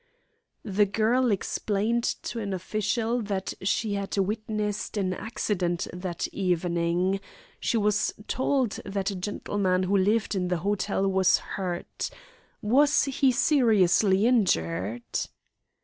The girl explained to an official that she had witnessed an accident that evening. She was told that a gentleman who lived in the hotel was hurt. Was he seriously injured?